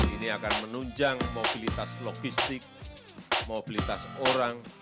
ini akan menunjang mobilitas logistik mobilitas orang